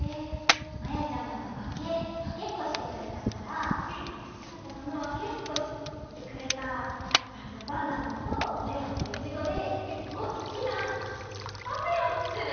まやちゃまがわけっこしてくれたからちょっとそのわけっこしてくれたバナナとメロンとイチゴでおっきなパフェをつくる！